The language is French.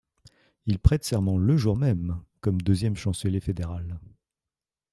Il prête serment le jour même comme deuxième chancelier fédéral.